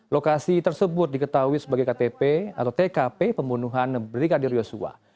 lokasi tersebut diketahui sebagai ktp atau tkp pembunuhan brigadir yosua